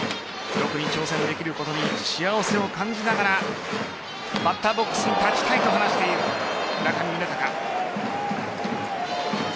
記録に挑戦できることに幸せを感じながらバッターボックスに立ちたいと話している村上宗隆。